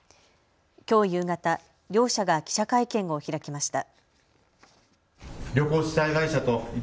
きょう夕方、両者が記者会見を開きました。